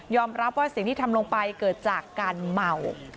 รับว่าสิ่งที่ทำลงไปเกิดจากการเมา